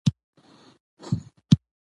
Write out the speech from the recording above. زه د شپې لخوا موبايل نه استفاده کوم